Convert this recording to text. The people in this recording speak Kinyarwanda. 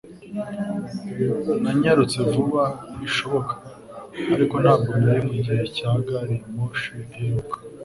Nanyarutse vuba bishoboka, ariko ntabwo nari mugihe cya gari ya moshi iheruka.